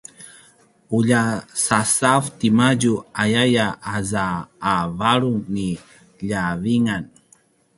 “ulja sasav timadju” ayaya aza a varung ni ljavingan